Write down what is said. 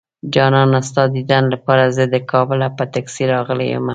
جانانه ستا ديدن لپاره زه د کابله په ټکسي راغلی يمه